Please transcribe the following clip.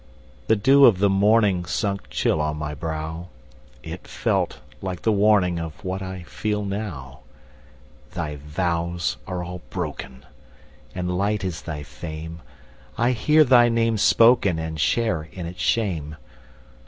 The dew of the morningSunk chill on my brow; It felt like the warningOf what I feel now. Thy vows are all broken, And light is thy fame:I hear thy name spokenAnd share in its shame.